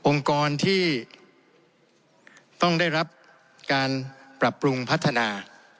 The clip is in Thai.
กรที่ต้องได้รับการปรับปรุงพัฒนา